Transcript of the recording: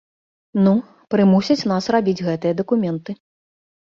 Ну, прымусяць нас рабіць гэтыя дакументы.